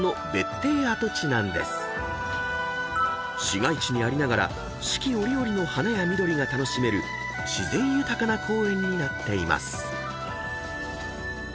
［市街地にありながら四季折々の花や緑が楽しめる自然豊かな公園になっています］